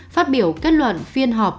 phát biểu kết luận phiên họp